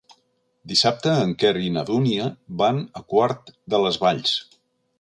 Dissabte en Quer i na Dúnia van a Quart de les Valls.